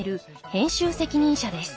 編集責任者です。